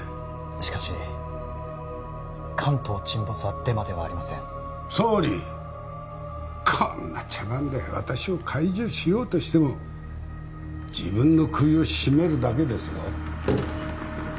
しかし関東沈没はデマではありません総理こんな茶番で私を懐柔しようとしても自分の首を絞めるだけですよ